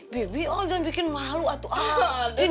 bibi jangan bikin malu atu aden